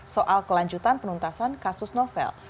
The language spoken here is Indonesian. soal kelanjutan penuntasan kasus novel